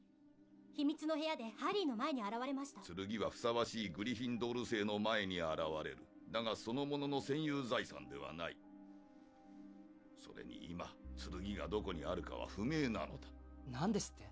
秘密の部屋でハリーの前に現れました剣はふさわしいグリフィンドール生の前に現れるだがその者の占有財産ではないそれに今剣がどこにあるかは不明なのだ何ですって？